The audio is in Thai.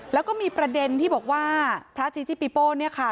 แล้วก็มีประเด็นที่บอกว่าพระจีจิปิโป้เนี่ยค่ะ